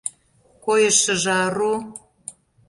Койышыжо ару.